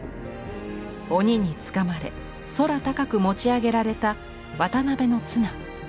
鬼につかまれ空高く持ち上げられた渡辺綱。